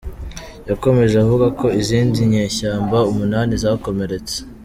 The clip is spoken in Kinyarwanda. Yakomeje avuga ko izindi nyeshyamba umunani zakomeretse.